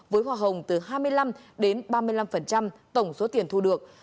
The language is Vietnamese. với hoa hồng từ hai mươi năm đến ba mươi năm tổng số tiền thu được